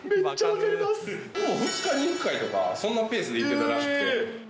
２日に１回とかそんなペースで行ってたらしくて。